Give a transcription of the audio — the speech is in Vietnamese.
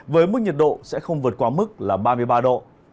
với mức nhiệt độ sẽ không vượt qua mức là ba mươi ba độ